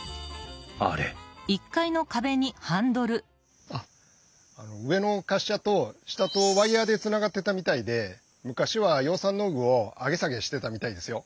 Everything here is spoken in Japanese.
あれあの上の滑車と下とワイヤーでつながってたみたいで昔は養蚕農具を上げ下げしてたみたいですよ。